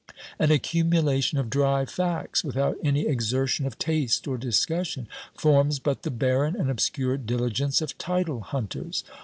An accumulation of dry facts, without any exertion of taste or discussion, forms but the barren and obscure diligence of title hunters.